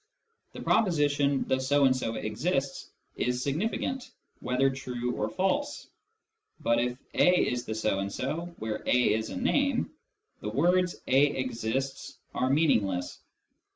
The proposition " the so and so exists " is significant, whether true or false ; but if a is the so and so (where " a " is a name), * the words " a exists " are meaningless.